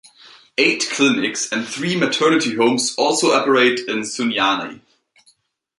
Eight clinics and three maternity homes also operate in Sunyani.